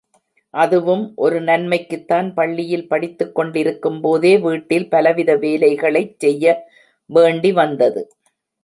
அதுவும் ஒரு நன்மைக்குத்தான் பள்ளியில் படித்துக் கொண்டிருக்கும் போதே வீட்டில் பலவித வேலைகளைச் செய்ய வேண்டி வந்தது.